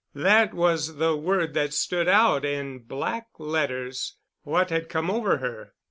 That was the word that stood out in black letters. What had come over her?